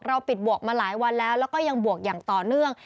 ปิดบวกมาหลายวันแล้วแล้วก็ยังบวกอย่างต่อเนื่อง